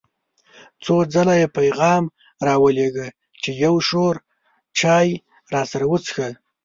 څو ځله یې پیغام را ولېږه چې یو شور چای راسره وڅښه.